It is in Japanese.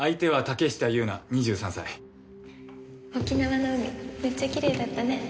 めっちゃきれいだったね。